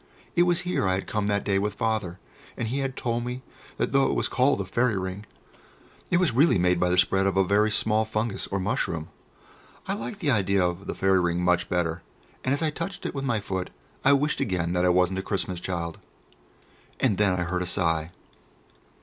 It was here I had come that day with Father, and he had told me that though it was called a "Fairy Ring," it was really made by the spread of a very small fungus, or mushroom. I liked the idea of the fairy ring much better, and as I touched it with my foot I wished again that I wasn't a Christmas child. And then I heard a sigh.